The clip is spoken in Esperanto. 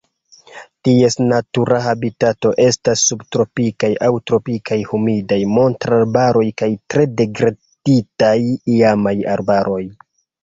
Ties natura habitato estas subtropikaj aŭ tropikaj humidaj montararbaroj kaj tre degraditaj iamaj arbaroj.